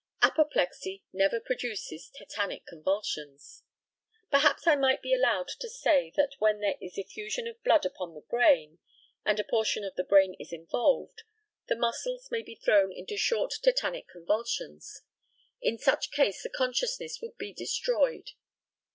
Apoplexy never produces tetanic convulsions. Perhaps I might be allowed to say that when there is effusion of blood upon the brain, and a portion of the brain is involved, the muscles may be thrown into short tetanic convulsions. In such case the consciousness would be destroyed.